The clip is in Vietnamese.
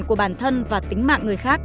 của bản thân và tính mạng người khác